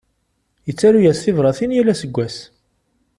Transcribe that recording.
Yettaru-yas tibratin yal aseggas.